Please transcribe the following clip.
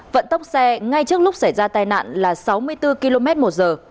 vận tốc xe ngay trước lúc xảy ra tai nạn là sáu mươi bốn km một giờ